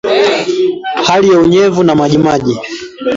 Hali ya unyevu na majimaji